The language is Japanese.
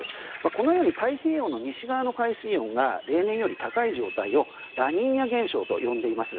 このように太平洋の西側の海水温が例年より高い状態をラニーニャ現象と呼んでいます。